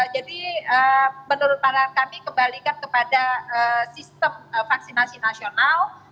jadi menurut para kami kebalikan kepada sistem vaksinasi nasional